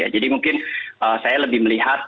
jadi mungkin saya lebih melihat